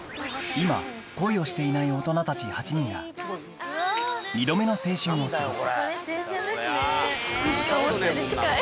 今恋をしていない大人たち８人が２度目の青春を過ごす思ったより近い。